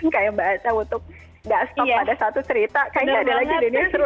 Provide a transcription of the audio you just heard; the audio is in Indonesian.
kayak mbak aca untuk gak stop pada satu cerita kayaknya ada lagi di dunia seru